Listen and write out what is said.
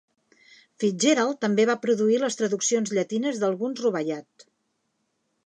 FitzGerald també va produir les traduccions llatines d'alguns rubaiyat.